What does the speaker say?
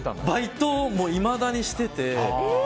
バイトもいまだにしてて。